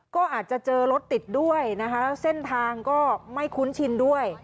ก็อาจจะเจอรถติดด้วยนะคะแล้วเส้นทางก็ไม่คุ้นชินด้วย